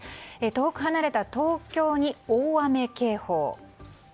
遠く離れた東京に大雨警報。